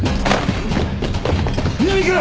南君！